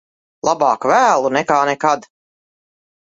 Labāk vēlu nekā nekad.